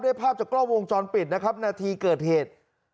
ภาพจากกล้องวงจรปิดนะครับนาทีเกิดเหตุ